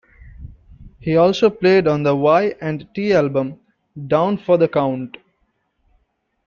He also played on the Y and T album "Down for the Count".